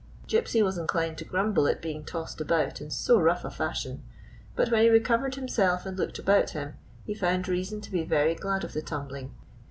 Gypsy was inclined to grumble at being tossed about in so rough a fashion ; but, when he recovered himself and looked about him, he found reason to be very glad of the tumbling.